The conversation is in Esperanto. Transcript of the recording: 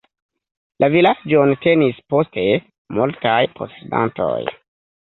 La vilaĝon tenis poste multaj posedantoj.